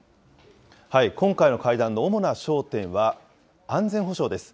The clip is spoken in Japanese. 今回の会談の主な焦点は、安全保障です。